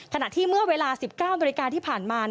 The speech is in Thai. ขณะที่เมื่อเวลา๑๙นิ้วอาทิตย์ที่ผ่านมา